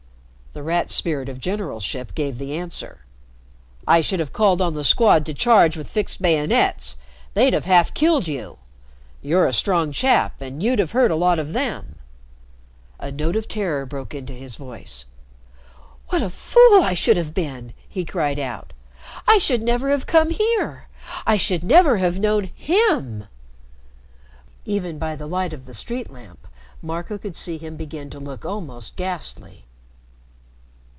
The Rat's spirit of generalship gave the answer. "I should have called on the Squad to charge with fixed bayonets. They'd have half killed you. You're a strong chap, and you'd have hurt a lot of them." A note of terror broke into his voice. "What a fool I should have been!" he cried out. "I should never have come here! I should never have known him!" Even by the light of the street lamp Marco could see him begin to look almost ghastly.